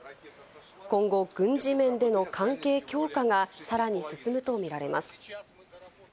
今後、軍事面での関係強化がさらに進むとみられます。